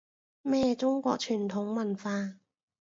咩中國傳統文化